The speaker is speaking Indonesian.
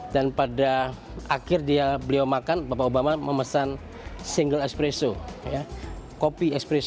dan pada akhir beliau makan bapak obama memesan single espresso ya kopi espresso